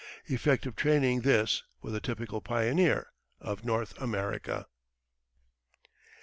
Effective training this, for the typical pioneer of North America.